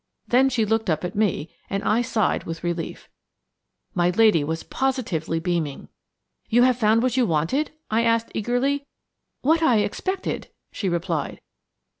Then she looked up at me, and I sighed with relief. My dear lady was positively beaming. "You have found what you wanted?" I asked eagerly. "What I expected," she replied.